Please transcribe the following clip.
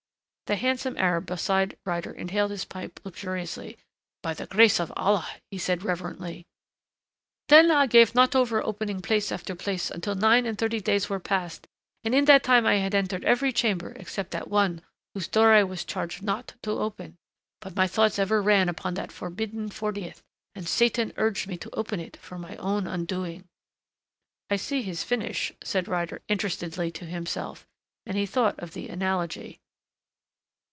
The handsome Arab beside Ryder inhaled his pipe luxuriously. "By the grace of Allah!" he said reverently. "Then I gave not over opening place after place until nine and thirty days were passed and in that time I had entered every chamber except that one whose door I was charged not to open. But my thoughts ever ran upon that forbidden fortieth and Satan urged me to open it for my own undoing...." "I see his finish," said Ryder interestedly to himself and he thought of the analogy.